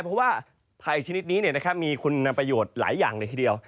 เพราะว่าไผ่ชนิดนี้เนี่ยนะครับมีคุณประโยชน์หลายอย่างเลยทีเดียว